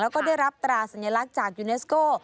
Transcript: แล้วก็ได้รับตราสัญลักษณ์จากยูเนสโก้